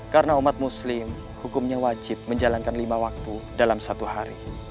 karena umat muslim hukumnya wajib menjalankan lima waktu dalam satu hari